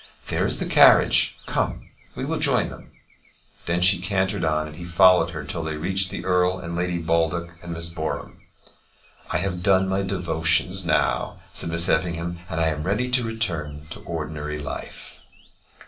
There is the carriage. Come; we will join them." Then she cantered on, and he followed her till they reached the Earl and Lady Baldock and Miss Boreham. "I have done my devotions now," said Miss Effingham, "and am ready to return to ordinary life."